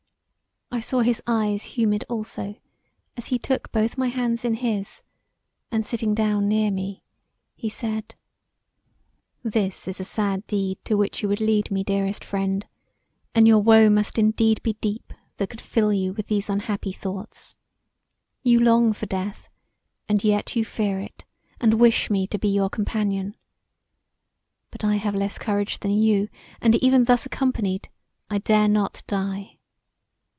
I saw his eyes humid also as he took both my hands in his; and sitting down near me, he said: "This is a sad deed to which you would lead me, dearest friend, and your woe must indeed be deep that could fill you with these unhappy thoughts. You long for death and yet you fear it and wish me to be your companion. But I have less courage than you and even thus accompanied I dare not die.